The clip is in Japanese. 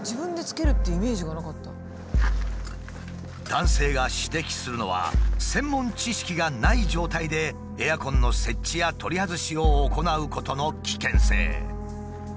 男性が指摘するのは専門知識がない状態でエアコンの設置や取り外しを行うことの危険性。